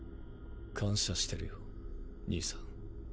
感謝してるよ兄さん。